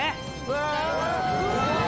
うわ！